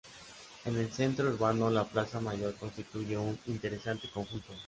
En el centro urbano, la Plaza Mayor constituye un interesante conjunto.